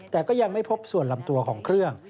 แต่ก็ยังไม่พบส่วนลำตัวของเครื่อง